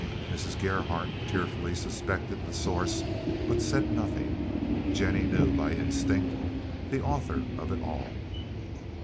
Mrs. Gerhardt tearfully suspected the source, but said nothing. Jennie knew, by instinct, the author of it all.